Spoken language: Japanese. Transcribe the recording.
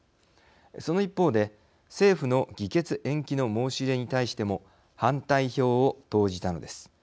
その一方で、政府の議決延期の申し入れに対しても反対票を投じたのです。